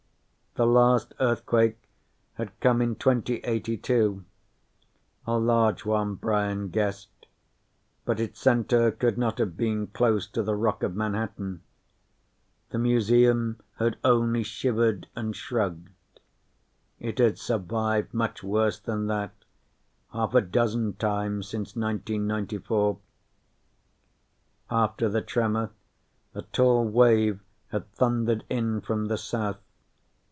The last earthquake had come in 2082 a large one, Brian guessed, but its center could not have been close to the rock of Manhattan. The Museum had only shivered and shrugged; it had survived much worse than that, half a dozen times since 1994. After the tremor, a tall wave had thundered in from the south.